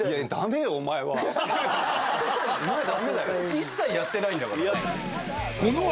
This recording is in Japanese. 一切やってないんだから。